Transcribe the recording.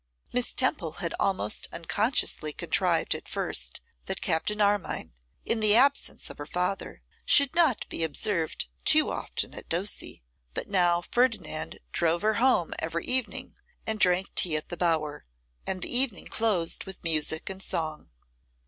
Miss Temple had almost unconsciously contrived at first that Captain Armine, in the absence of her father, should not be observed too often at Ducie; but now Ferdinand drove her home every evening, and drank tea at the Bower, and the evening closed with music and song.